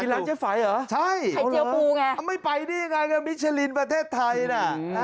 มีร้านเจ๊ไฟ่เหรอไข่เจี๊ยวปูไงครับโอ้หรือไม่ไปนี่ไงครับมิชลินประเทศไทยน่ะ